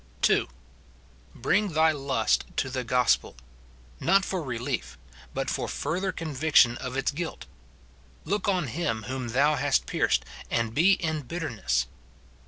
(2.) Bring thy lust to the gospel, — not for relief, but. for further conviction of its guilt ; look on Him whom thou hast pierced, and be in bitterness.